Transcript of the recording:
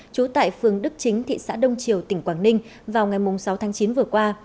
trú tại phường đức chính thị xã đông triều tỉnh quảng ninh vào ngày sáu tháng chín vừa qua